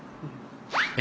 え？